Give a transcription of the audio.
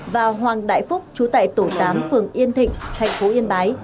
và hoàng đại phúc chú tại tổ tám phường yên thịnh thành phố yên bái